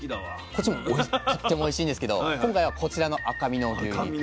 こっちもとってもおいしいんですけど今回はこちらの赤身の牛肉。